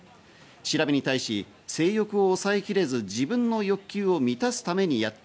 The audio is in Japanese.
調べに対し、性欲を抑えきれず、自分の欲求を満たすためにやった。